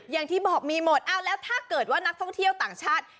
อย่างที่บอกมีหมดอ้าวแล้วถ้าเกิดว่านักท่องเที่ยวต่างชาติ